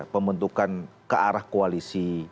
pembentukan kearah koalisi